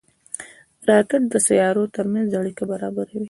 راکټ د سیارو ترمنځ اړیکه برابروي